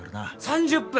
３０分！？